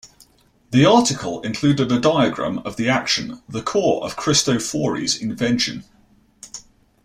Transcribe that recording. The article included a diagram of the action, the core of Cristofori's invention.